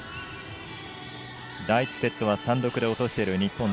第１セットは３−６で落としている日本。